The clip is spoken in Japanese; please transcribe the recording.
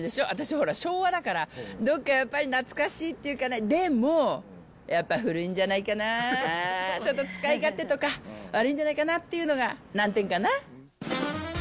私、ほら、昭和だから、どこかやっぱり、懐かしいっていうかね、でも、やっぱ古いんじゃないかなー、ちょっと使い勝手とか、悪いんじゃないかなっていうのが難点かな。